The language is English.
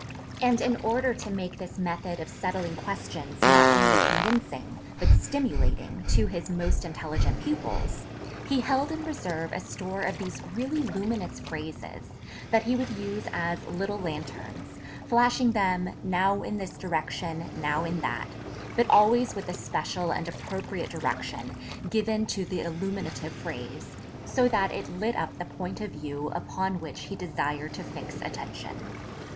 And in order to make this method of settling questions not only convincing, but stimulating, to his most intelligent pupils, he held in reserve a store of these really luminous phrases, that he would use as little Lanterns, flashing them, now in this direction, now in that, but always with a special and appropriate direction given to the illuminative phrase, so that it lit up the point of view upon which he desired to fix attention.